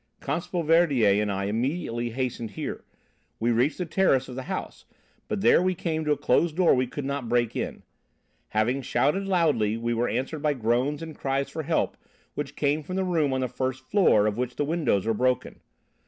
"Constable Verdier and I immediately hastened here. We reached the terrace of the house, but there we came to a closed door we could not break in. Having shouted loudly we were answered by groans and cries for help which came from the room on the first floor of which the windows were broken.